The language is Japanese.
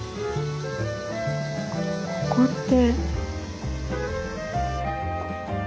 ここって。